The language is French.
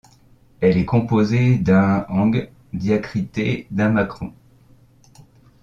Elle est composée d’un eng diacrité d’un macron.